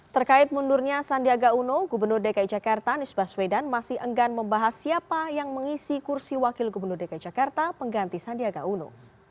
terkait mundurnya sandiaga uno gubernur dki jakarta anies baswedan masih enggan membahas siapa yang mengisi kursi wakil gubernur dki jakarta pengganti sandiaga uno